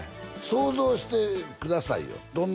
想像してくださいよどん